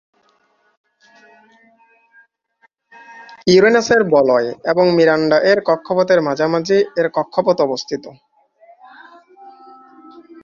ইউরেনাসের বলয় এবং মিরান্ডা এর কক্ষপথের মাঝামাঝি এর কক্ষপথ অবস্থিত।